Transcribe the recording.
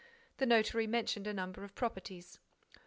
The notary mentioned a number of properties.